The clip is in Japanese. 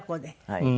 はい。